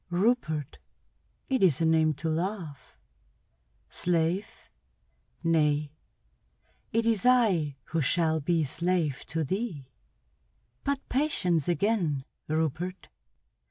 "Rupert. It is a name to love. Slave? Nay, it is I who shall be slave to thee. But patience again, Rupert.